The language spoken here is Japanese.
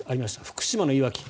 福島のいわき市。